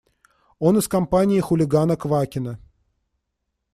Он из компании хулигана Квакина.